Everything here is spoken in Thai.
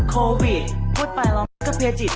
โควิดพูดไปแล้วมันก็เพจิต